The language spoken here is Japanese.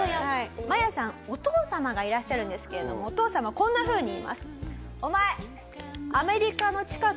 マヤさんお父様がいらっしゃるんですけれどもお父様こんなふうに言います。